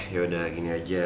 yaudah gini aja